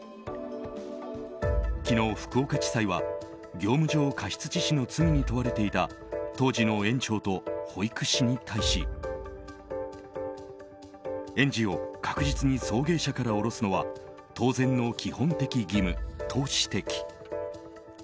昨日、福岡地裁は業務上過失致死の罪に問われていた当時の園長と保育士に対し園児を確実に送迎車から降ろすのは当然の基本的義務と指摘。